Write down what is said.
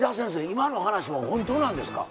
今の話は本当なんですか？